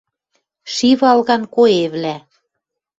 ШИ ВАЛГАН КОЭВЛӒ